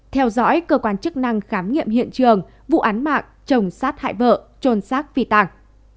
theo dõi cơ quan chức năng khám nghiệm hiện trường vụ án mạng chồng sát hại vợ trôn xác phi tàng